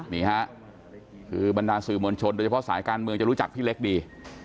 นี่ฮะคือบรรดาสื่อมวลชนโดยเฉพาะสายการเมืองจะรู้จักพี่เล็กดี